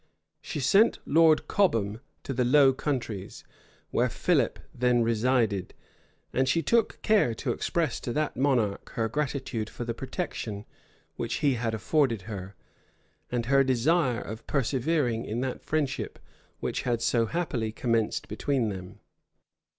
She sent Lord Cobham to the Low Countries, where Philip then resided; and she took care to express to that monarch her gratitude for the protection which he had afforded her, and her desire of persevering in that friendship which had so happily commenced between them.